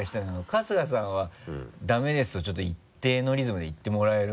春日さんは「ダメです」をちょっと一定のリズムで言ってもらえる？